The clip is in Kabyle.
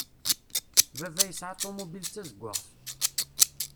Baba yesɛa ṭumubil d tazeggaɣt.